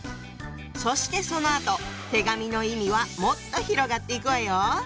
そしてそのあと手紙の意味はもっと広がっていくわよ！